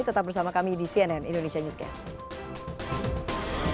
tetap bersama kami di cnn indonesia newscast